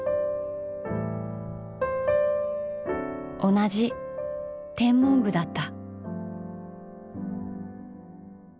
同じ天文部だった。